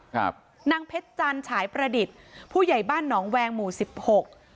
ครับนางเพชรจันฉายประดิษฐ์ผู้ใหญ่บ้านหนองแวงหมู่สิบหก